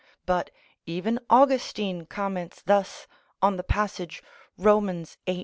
But even Augustine comments thus on the passage, Rom. viii.